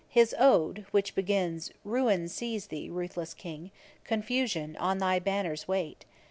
His Ode which begins "Ruin seize thee, ruthless King, Confusion on thy banners wait!"